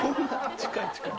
近い近い。